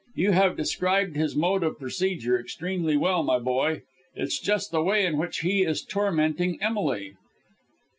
"You have described his mode of procedure extremely well, my boy. It's just the way in which he is tormenting Emily."